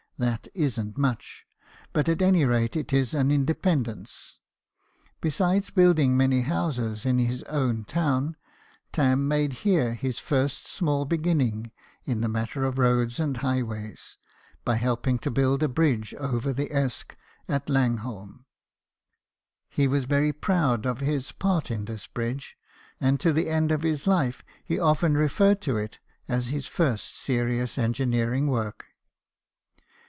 That isn't much ; but at any rate it is an independence. Besides building many houses in his own town, Tarn made here his first small beginning in the matter of roads and highways, by helping to build a bridge over the Esk at Langholm. He was very proud of his part in this bridge, and to the end of his life he often referred to it as his first serious engineering work.